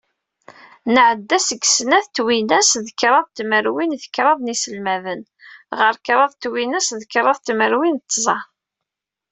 Nɛedda seg snat twinas d kraḍ tmerwin d kraḍ n yiselmaden, ɣer kraḍ twinas d kraḍ tmerwin d tẓa.